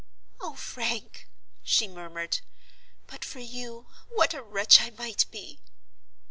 "Oh, Frank!" she murmured, "but for you, what a wretch I might be!"